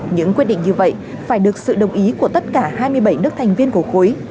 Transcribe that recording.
những quyết định như vậy phải được sự đồng ý của tất cả hai mươi bảy nước thành viên của khối